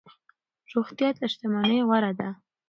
روغتيا تر شتمنۍ غوره ده.